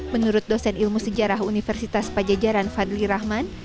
menurut dosen ilmu sejarah universitas pajajaran fadli rahman